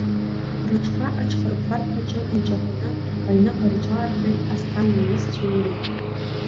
Рыҽқәа аҽхырԥарҭаҿы инҿаҳәаны аҩныҟа рҿаархеит Асҭана иҩызцәеи иареи.